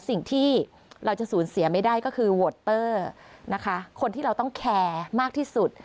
สิ่งที่เราจะสูญเสียไม่ได้ก็คือโวตเตอร์นะคะคนที่เราต้องแคร์มากที่สุด